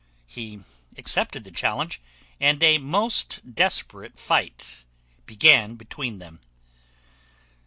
He accepted the challenge, and a most desperate fight began between them.